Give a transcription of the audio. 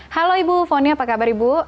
halo ibu foni apa kabar ibu